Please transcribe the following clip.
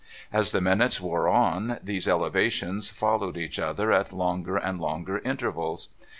As the minutes wore on, these elevations followed each other at longer and longer intervals.